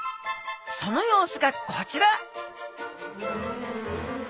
その様子がこちら！